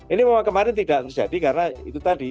ini memang kemarin tidak terjadi karena itu tadi